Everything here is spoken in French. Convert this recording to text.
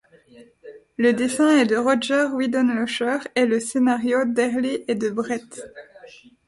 Le dessin est de Roger Widenlocher et le scénario d'Herlé et de Brett.